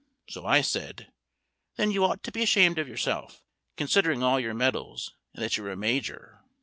So I said, "Then you ought to be ashamed of yourself, considering all your medals, and that you're a Major."